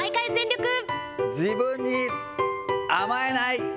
自分に甘えない。